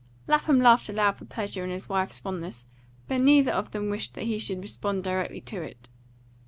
Lapham laughed aloud for pleasure in his wife's fondness; but neither of them wished that he should respond directly to it.